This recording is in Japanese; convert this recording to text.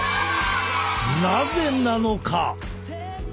なぜなのか？